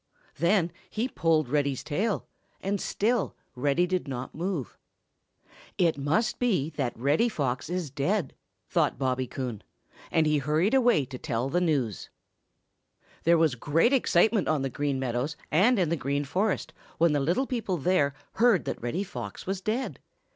Then he pulled Reddy's tail, and still Reddy did not move. "It must be that Reddy Fox is dead," thought Bobby Coon, and he hurried away to tell the news. [Illustration: 0082] There was great excitement on the Green Meadows and in the Green Forest when the little people there heard that Reddy Fox was dead.